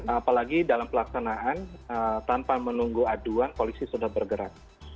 apalagi dalam pelaksanaan tanpa menunggu aduan polisi sudah bergerak